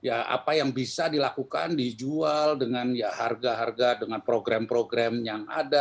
ya apa yang bisa dilakukan dijual dengan ya harga harga dengan program program yang ada